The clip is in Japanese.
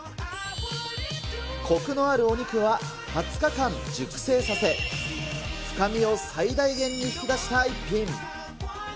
こくのあるお肉は２０日間熟成させ、深みを最大限に引き出した一品。